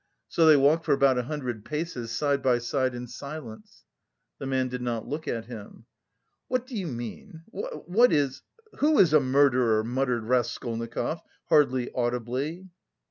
So they walked for about a hundred paces, side by side in silence. The man did not look at him. "What do you mean... what is.... Who is a murderer?" muttered Raskolnikov hardly audibly.